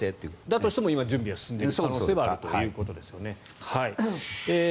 だとしても今、準備は進んでいる可能性はあるということですよね。